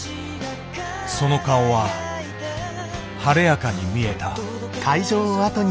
その顔は晴れやかに見えた。